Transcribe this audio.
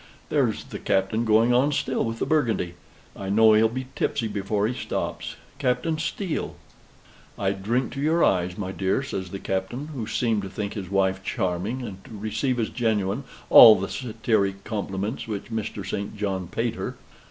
There's the Captain going on still with the Burgundy I know he'll be tipsy before he stops Captain Steele!" "I drink to your eyes, my dear," says the Captain, who seemed to think his wife charming, and to receive as genuine all the satiric compliments which Mr. St. John paid her.